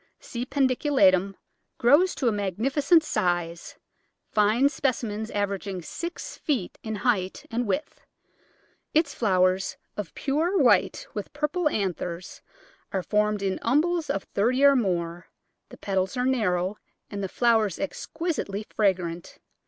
C. pedunculatum grows to a magnificent size, fine specimens averaging six feet in height and width. Its flowers, of pure white with purple anthers, are formed in umbels of thirty or more; the petals are narrow and the flowers exquisitely fragrant.